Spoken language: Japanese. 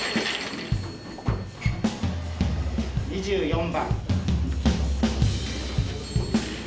・２４番。